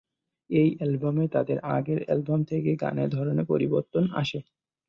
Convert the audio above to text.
এই অ্যালবামে তাদের আগের অ্যালবাম থেকে গানের ধরনে পরিবর্তন আসে।